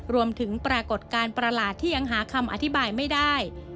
ปรากฏการณ์ประหลาดที่ยังหาคำอธิบายไม่ได้